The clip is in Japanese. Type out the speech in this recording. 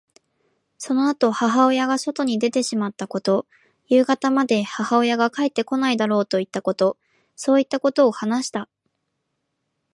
そのあと母親が外に出てしまったこと、夕方まで母親が帰ってこないだろうといったこと、そういったことを話した。